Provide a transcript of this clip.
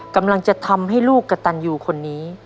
กำลังจะทำให้ลูกกระตันยูคนนี้